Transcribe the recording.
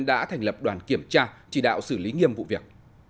đã thành lập đoàn kiểm tra chỉ đạo xử lý nghiêm vụ việc